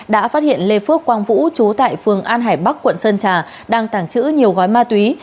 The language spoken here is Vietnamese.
đã phát hiện lê phước quang vũ chú tại phường an hải bắc quận sơn trà đang tàng trữ nhiều gói ma túy